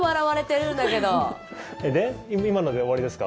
で、今ので終わりですか？